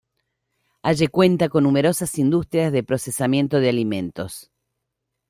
Halle cuenta con numerosas industrias de procesamiento de alimentos.